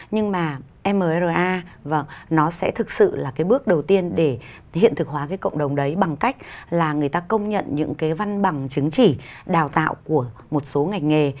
nhưng mà mra nó sẽ thực sự là cái bước đầu tiên để hiện thực hóa cái cộng đồng đấy bằng cách là người ta công nhận những cái văn bằng chứng chỉ đào tạo của một số ngành nghề